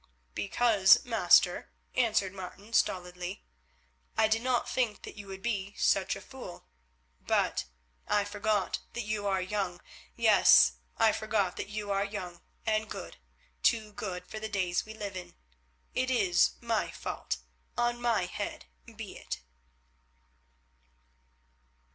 "Because, master," answered Martin stolidly, "I did not think that you would be such a fool. But I forgot that you are young—yes, I forget that you are young and good, too good for the days we live in. It is my fault. On my head be it."